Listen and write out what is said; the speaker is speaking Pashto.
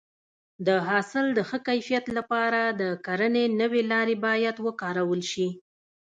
د حاصل د ښه کیفیت لپاره د کرنې نوې لارې باید وکارول شي.